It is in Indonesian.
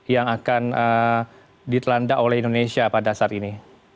yang akan ditelanda oleh indonesia pada saat ini